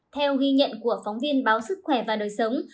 theo ghi nhận của phóng viên báo sức khỏe và đời sống